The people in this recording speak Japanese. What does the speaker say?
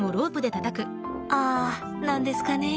あ何ですかね。